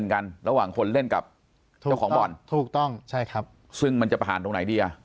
คนเล่นกับเจ้าของบ่อนถูกต้องใช่ครับซึ่งมันจะผ่านตรงไหนดี